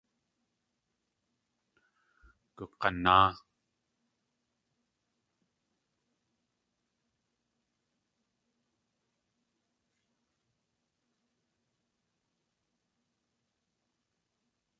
Gug̲anáa.